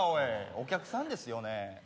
お客さんですよ？